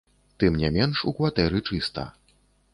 Тым не менш, у кватэры чыста.